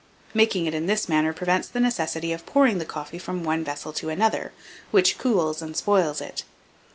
Making it in this manner prevents the necessity of pouring the coffee from one vessel to another, which cools and spoils it.